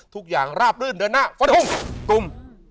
ทุกอย่างราบรื่นเดินหน้าฟะทุ่งกลุ่ม